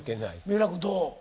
三浦君どう？